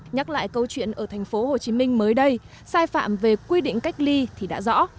nhắc lại câu chuyện ở thành phố hồ chí minh mới đây sai phạm về quy định cách ly thì đã rõ